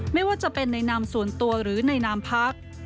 ไม่ว่าจะเป็นในนามส่วนตัวหรือในนามพัก